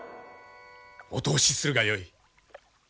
お通しするがよい。